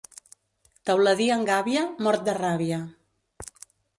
Teuladí en gàbia, mort de ràbia.